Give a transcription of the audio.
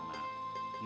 ini ada dua kemungkinan